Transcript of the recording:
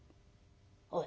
おい。